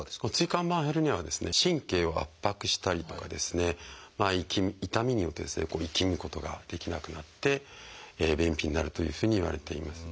椎間板ヘルニアは神経を圧迫したりとか痛みによっていきむことができなくなって便秘になるというふうにいわれています。